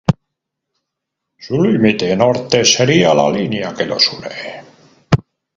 Su límite norte sería la línea que los une.